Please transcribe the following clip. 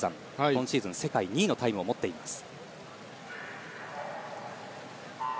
今シーズン世界２位のタイムを持っています。